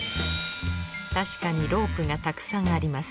確かにロープがたくさんあります。